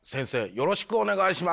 よろしくお願いします。